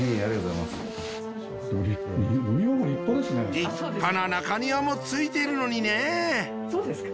立派な中庭もついているのにねぇそうですか？